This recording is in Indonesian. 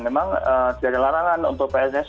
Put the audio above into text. memang tidak ada larangan untuk pssi